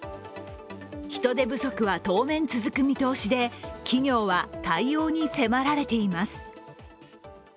人手不足は当面続く見通しで企業は対応に迫られています。